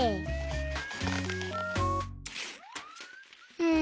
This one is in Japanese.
うん。